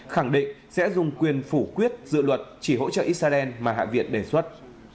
khẳng định sẽ dùng quyền phủ quyết dự luật chỉ hỗ trợ israel mà hạ viện đề xuất